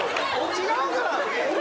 違うから！